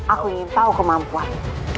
aku ingin tahu kemampuan